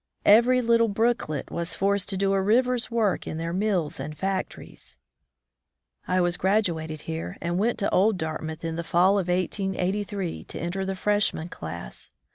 Every little brooklet was forced to do a river's work in their mills and factories. I was graduated here and went to old Dartmouth in the fall of 1883 to enter the Freshman class.